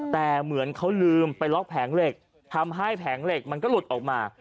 แต่เหมือนเขาลืมไปล็อกแผงเหล็กทำให้แผงเหล็กมันก็หลุดออกมา